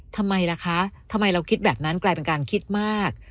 ทำไมล่ะคะทำไมเราคิดแบบนั้นกลายเป็นการคิดมาก